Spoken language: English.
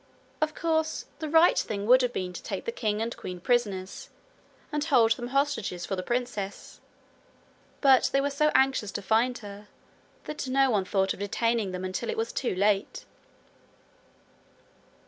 Of course, the right thing would have been to take the king and queen prisoners, and hold them hostages for the princess, but they were so anxious to find her that no one thought of detaining them until it was too late.